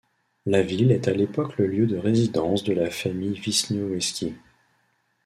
La ville est à l'époque le lieu de résidence de la famille Wiśniowiecki.